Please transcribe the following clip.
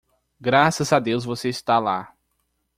Graças a Deus você está lá!